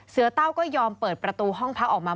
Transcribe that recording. เต้าก็ยอมเปิดประตูห้องพักออกมา